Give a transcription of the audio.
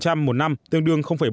một năm tương đương bốn